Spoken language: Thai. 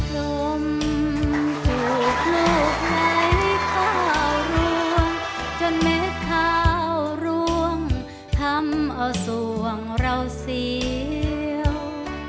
ลมถูกลูกไหลข้าวรวงจนเม็ดข้าวร่วงทำเอาส่วงเราเสียว